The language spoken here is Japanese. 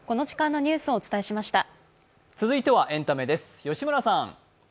続いてはエンタメです、吉村さん。